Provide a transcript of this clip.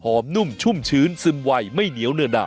นุ่มชุ่มชื้นซึมไวไม่เหนียวเนื้อหนัก